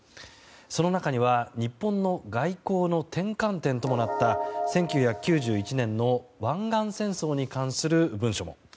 その中には日本の外交の転換点ともなった１９９１年の湾岸戦争に関する文書も。